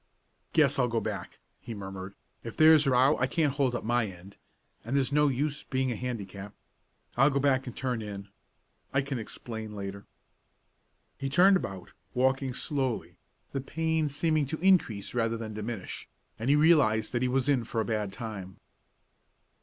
"Guess I'll go back," he murmured. "If there's a row I can't hold up my end, and there's no use being a handicap. I'll go back and turn in. I can explain later." He turned about, walking slowly, the pain seeming to increase rather than diminish, and he realized that he was in for a bad time.